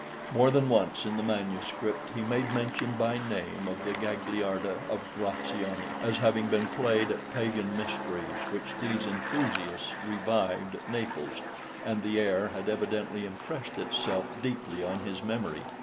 More than once in the manuscript he made mention by name of the Gagliarda of Graziani as having been played at pagan mysteries which these enthusiasts revived at Naples, and the air had evidently impressed itself deeply on his memory.